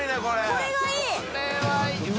これがいい！